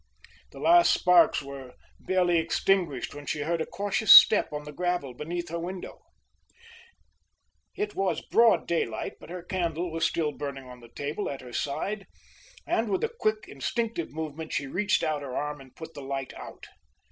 The last sparks were barely extinguished when she heard a cautious step on the gravel beneath her window. It was broad daylight, but her candle was still burning on the table at her side, and with a quick instinctive movement she reached out her arm and put the light out.